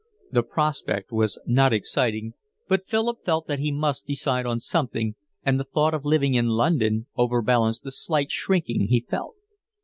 The prospect was not exciting, but Philip felt that he must decide on something, and the thought of living in London over balanced the slight shrinking he felt.